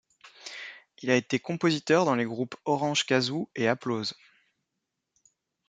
Il a été compositeur dans les groupes Orange Kazoo et Applause.